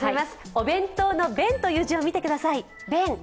お弁当の「弁」の字を見てください。